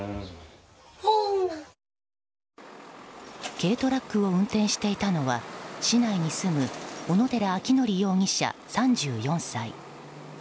軽トラックを運転していたのは市内に住む小野寺章仁容疑者、３４歳。